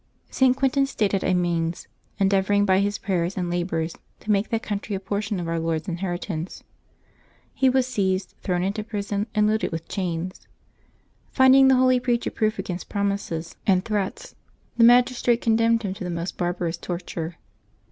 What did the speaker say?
St. Quintin stayed at Amiens, endeavoring by his prayers and labors to make that country a portion of Our Lord's inheri tance. He was seized, thrown into prison, and loaded with chains. Finding the holy preacher proof against promises 348 LIVES OF THE SAINTS [Notembeb 2 and threats, the magistrate condemned him to the most barbarous torture.